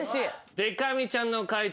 でか美ちゃんの解答